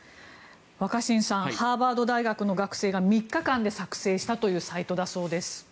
若新さんハーバード大学の学生が３日間で作成したというサイトだそうです。